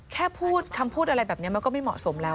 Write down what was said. แค่พูดคำพูดอะไรแบบนี้มันก็ไม่เหมาะสมแล้ว